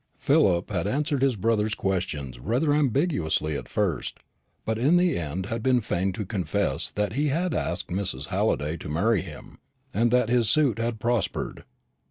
Philip had answered his brother's questions rather ambiguously at first, but in the end had been fain to confess that he had asked Mrs. Halliday to marry him, and that his suit had prospered.